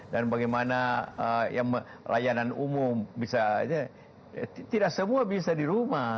dan bagaimana yang layanan umum bisa tidak semua bisa di rumah